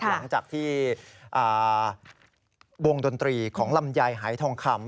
หลังจากที่วงดนตรีของลำไยหายทองคำ